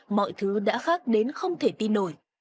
mọi thứ đã khác đến không thể tin nổi